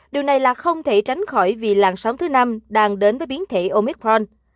điều này là không thể tránh khỏi vì làn sóng thứ năm đang đến với biến thể omicron